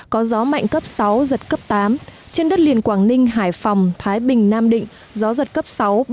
có gió mạnh cấp sáu giật cấp tám trên đất liền quảng ninh hải phòng thái bình nam định gió giật cấp sáu